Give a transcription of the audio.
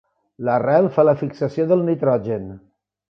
L'arrel fa la fixació del nitrogen.